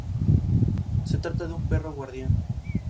Se trata de un perro guardián.